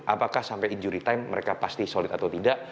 apakah sampai injury time mereka pasti solid atau tidak